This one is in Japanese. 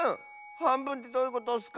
はんぶんってどういうことッスか？